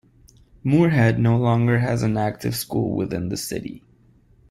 Moorhead no longer has an active school within the city.